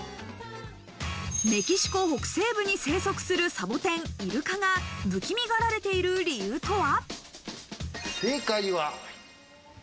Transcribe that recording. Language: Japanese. メキシコ北西部に生息するサボテン、イルカが不気味がられている理由とは？